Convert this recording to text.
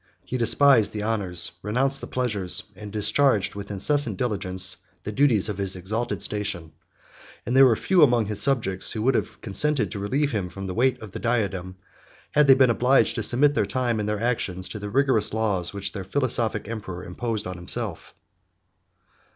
He despised the honors, renounced the pleasures, and discharged with incessant diligence the duties, of his exalted station; and there were few among his subjects who would have consented to relieve him from the weight of the diadem, had they been obliged to submit their time and their actions to the rigorous laws which that philosophic emperor imposed on himself.